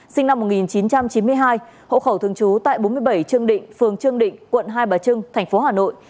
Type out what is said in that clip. sinh năm một nghìn chín trăm chín mươi hai hộ khẩu thường trú tại bốn mươi bảy trương định phường trương định quận hai bà trưng thành phố hà nội